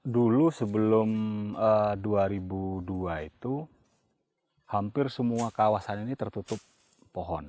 dulu sebelum dua ribu dua itu hampir semua kawasan ini tertutup pohon